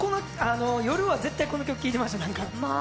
夜は絶対この曲聴いてました。